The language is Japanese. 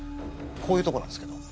こういうとこなんですけど。